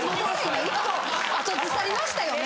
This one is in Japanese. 今１歩後ずさりましたよね？